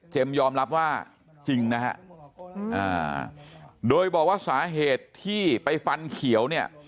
ยอมรับว่าจริงนะฮะโดยบอกว่าสาเหตุที่ไปฟันเขียวเนี่ย